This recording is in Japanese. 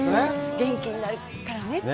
元気になるからねって。